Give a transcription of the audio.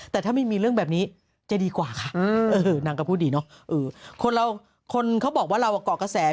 แต่ถ้าไม่มีเรื่องแบบนี้จะดีกว่าค่ะ